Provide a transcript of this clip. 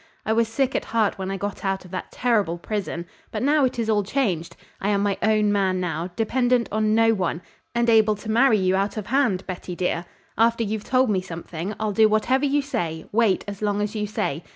I was sick at heart when I got out of that terrible prison; but now it is all changed. I am my own man now, dependent on no one, and able to marry you out of hand, Betty, dear. After you've told me something, I'll do whatever you say, wait as long as you say.